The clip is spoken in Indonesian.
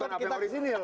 bukan apa yang orisinil